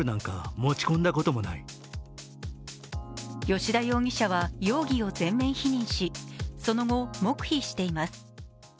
吉田容疑者は容疑を全面否認しその後、黙秘しています。